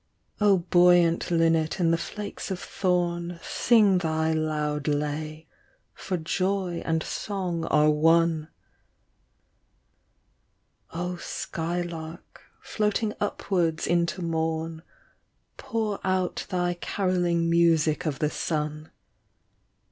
Oh buoyant linnet in the flakes of thorn, Sing thy loud lay ; for joy and song are one. Oh skylark floating upwards into mom. Pour out thy carolling music of the sun.